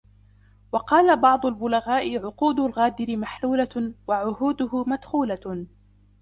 وَقَالَ بَعْضُ الْبُلَغَاءِ عُقُودُ الْغَادِرِ مَحْلُولَةٌ ، وَعُهُودُهُ مَدْخُولَةٌ